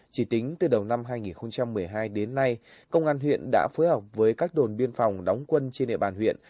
chỉ tính từ đầu năm hai nghìn một mươi hai đến nay công an huyện đã phối hợp với các đồn biên phòng đóng quân trên địa bàn huyện